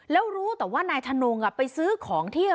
แล้วรู้แต่ว่านายทนงไปซื้อของที่